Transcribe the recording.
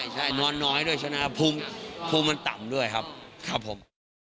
ใช่นอนน้อยด้วยใช่ไหมครับภูมิมันต่ำด้วยครับครับผม